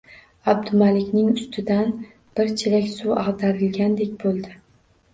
Abdumalikning ustidan bir chelak suv ag`darilgandek bo`ldi